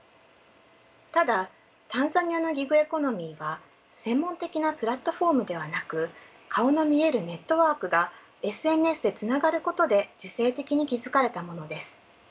ただタンザニアのギグエコノミーは専門的なプラットフォームではなく顔の見えるネットワークがＳＮＳでつながることで自生的に築かれたものです。